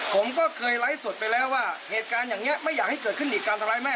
ผมก็เคยไลฟ์สดไปแล้วว่าเหตุการณ์อย่างนี้ไม่อยากให้เกิดขึ้นอีกการทำร้ายแม่